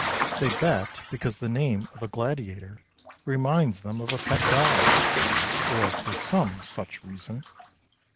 They bet because the name of a gladiator reminds them of a pet dog, or for some such reason.